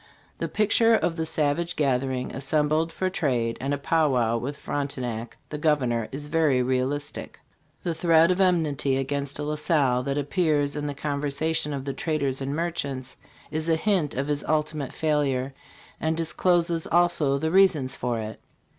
The picture of the savage gathering assembled for trade and a pow wow with Fronte nac, the governor, is very realistic. The thread of enmity against La Salle that appears in the conversations of the traders and merchants is a hint of his ultimate failure, and discloses also the reasons for it.